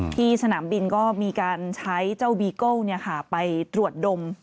สนามบินก็มีการใช้เจ้าบีโก้ไปตรวจดม